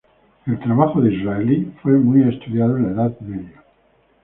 El trabajo de Israeli fue muy estudiado en la Edad Media.